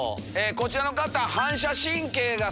こちらの方。